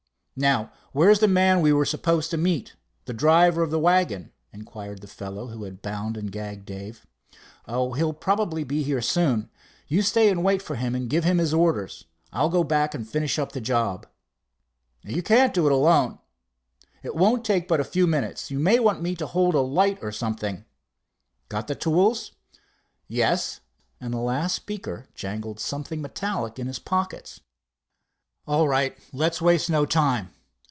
"Now where's the man we were to meet, the driver of the wagon?" inquired the fellow who had bound and gagged Dave. "Oh, he'll probably be here soon. You stay and wait for him and give him his orders. I'll go back and finish up the job." "You can't do it alone. It won't take but a few minutes. You may want me to hold a light, or something." "Got the tools?" "Yes"—and the last speaker jangled something metallic in his pockets. "All right. Let's waste no time.